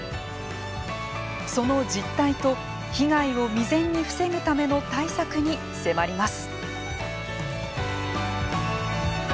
その実態と、被害を未然に防ぐための対策に迫ります。